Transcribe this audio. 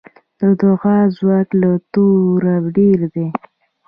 د دعا ځواک له توره ډېر دی.